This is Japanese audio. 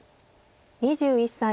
２１歳。